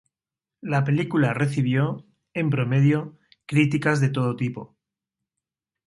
La película recibió, en promedio, críticas de todo tipo.